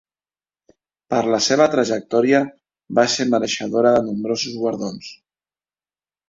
Per la seva trajectòria, va ser mereixedora de nombrosos guardons.